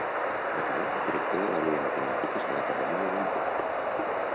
Mackay, director de l'àrea de Matemàtiques de l'Acadèmia d'Edimburg.